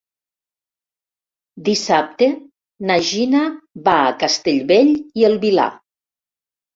Dissabte na Gina va a Castellbell i el Vilar.